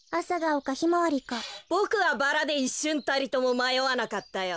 ボクはバラでいっしゅんたりともまよわなかったよ。